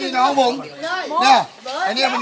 นี่แกโดนแทงเพื่อน